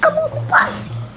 kamu kupar sih